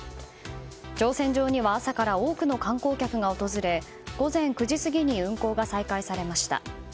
乗船場には朝から多くの観光客が訪れ午前９時過ぎに運航が再開されました。